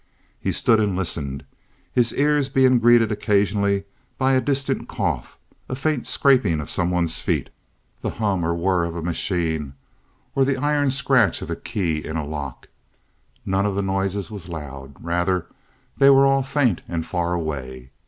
He stood and listened, his ears being greeted occasionally by a distant cough, a faint scraping of some one's feet, the hum or whir of a machine, or the iron scratch of a key in a lock. None of the noises was loud. Rather they were all faint and far away.